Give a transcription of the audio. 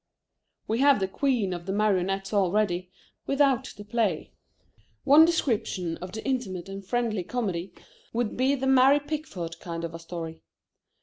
We have the queen of the marionettes already, without the play. One description of the Intimate and friendly Comedy would be the Mary Pickford kind of a story.